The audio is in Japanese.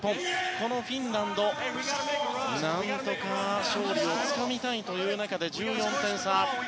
このフィンランド、何とか勝利をつかみたい中で１４点差。